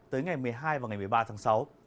tới ngày một mươi hai và ngày một mươi ba tháng sáu